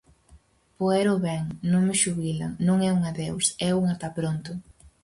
Poero ben, non me xubilan, non é un adeus, é un ata pronto.